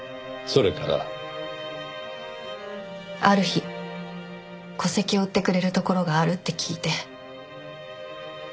ある日戸籍を売ってくれるところがあるって聞いて。